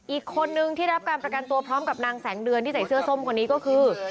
อีกคนนึงที่รับการประกันตัวพร้อมกับนางแสงเดือนที่ใส่เสื้อส้มคนนี้ก็คือ